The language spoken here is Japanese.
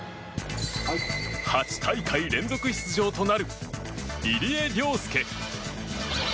８大会連続出場となる入江陵介。